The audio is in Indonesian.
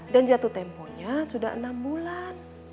dan jatuh temponya sudah enam bulan